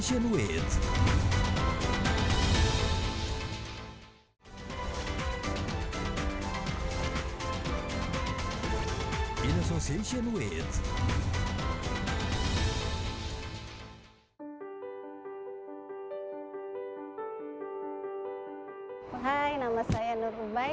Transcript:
yang ini entar sinem hai nama saya inurbai